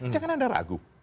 jangan anda ragu